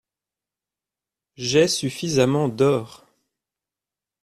J’ai suffisamment d’or.